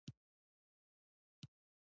• د علم سره مینه، د ټولنې پرمختګ راولي.